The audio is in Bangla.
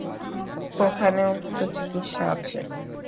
ওখানে উন্নত চিকিৎসা আছে।